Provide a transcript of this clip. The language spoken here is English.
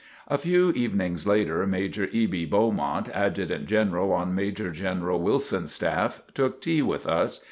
A few evenings later, Major E. B. Beaumont, Adjutant General on Major General Wilson's staff, took tea with us.